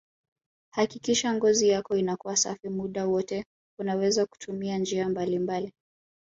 Hakikisha ngozi yako inakuwa safi muda wote unaweza kutumia njia mbalimbali